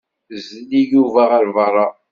Zelli Yuba ɣer beṛṛa.